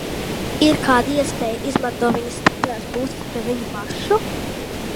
Ir kāda iespēja izmantot viņas stiprās puses pret viņu pašu?